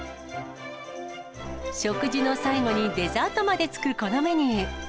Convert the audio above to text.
食事の最後にデザートまでつくこのメニュー。